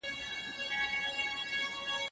تاریخ ته د تعصب په سترګه مه ګورئ.